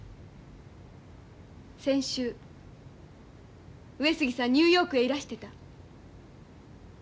先週上杉さんニューヨークへいらしてた。